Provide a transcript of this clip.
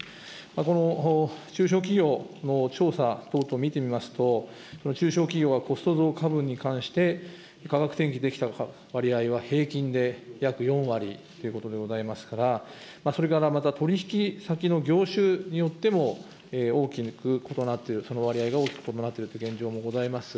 この中小企業の調査等々見てみますと、中小企業はコスト増加分に対して、価格転嫁できた割合は平均で約４割ということでございますから、それからまた取り引き先の業種によっても、大きく異なっている、その割合が大きく異なっているという現状もございます。